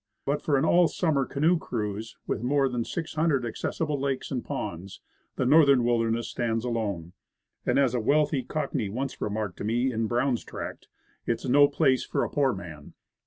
But, for an all summer canoe cruise, with more than 600 accessible lakes and ponds, the Northern Wilderness stands alone. And, as a wealthy cockney once remarked to me in Brown's Tract, "It's no place for a poor man."